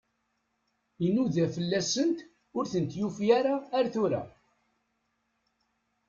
Inuda fell-asent, ur tent-yufi ara ar tura.